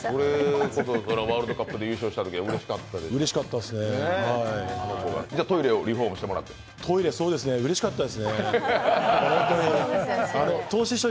ワールドカップで優勝したときはうれしかったでしょう？